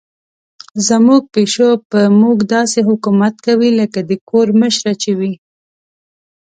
زموږ پیشو په موږ داسې حکومت کوي لکه د کور مشره چې وي.